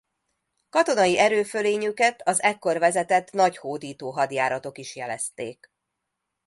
Katonai erőfölényüket az ekkor vezetett nagy hódító hadjáratok is jelezték.